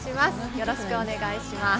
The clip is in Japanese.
よろしくお願いします。